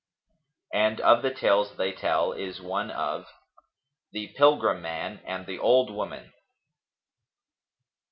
And of the tales they tell is one of THE PILGRIM MAN AND THE OLD WOMAN.